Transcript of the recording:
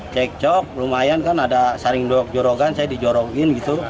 cek cok lumayan kan ada saring jorokan saya dijorokin gitu